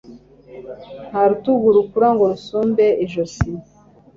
nta rutugu rukura ngo rusumbe ijosi